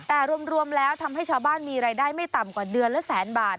แต่รวมแล้วทำให้ชาวบ้านมีรายได้ไม่ต่ำกว่าเดือนละแสนบาท